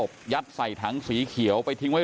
กลุ่มตัวเชียงใหม่